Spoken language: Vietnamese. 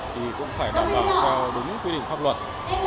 thì cũng phải đạt được đúng quy định pháp luật